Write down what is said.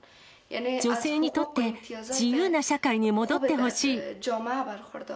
女性にとって、自由な社会に戻ってほしい。